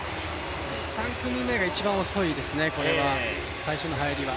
３組目が一番遅いですね、最初の入りは。